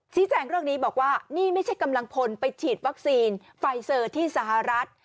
แจ้งเรื่องนี้บอกว่านี่ไม่ใช่กำลังพลไปฉีดวัคซีนไฟเซอร์ที่สหรัฐ